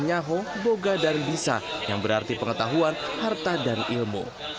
nyaho boga dan bisa yang berarti pengetahuan harta dan ilmu